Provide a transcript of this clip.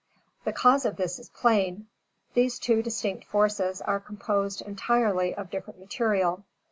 The cause of this is plain. These two distinct forces are composed, entirely, of different material.